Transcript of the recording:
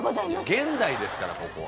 現代ですから、ここは。